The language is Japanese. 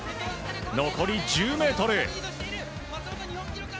残り１０ｍ。